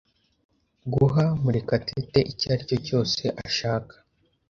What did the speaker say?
Guha Murekatete icyo aricyo cyose ashaka.